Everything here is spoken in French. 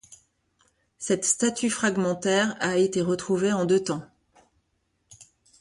Cette statue fragmentaire a été retrouvée en deux temps.